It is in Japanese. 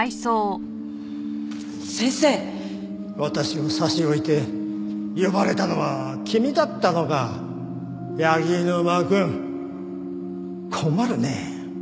私を差し置いて呼ばれたのは君だったのか柳沼くん。困るねえ。